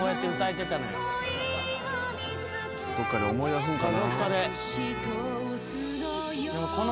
どっかで思い出すんかな。